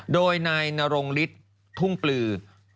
โดยนายนรงฤทธิ์ทุ่งปลือ